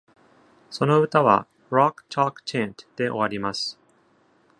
その歌は Rock Chalk Chant で終わります。